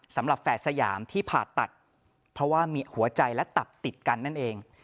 แฝดสยามที่ผ่าตัดเพราะว่ามีหัวใจและตับติดกันนั่นเอง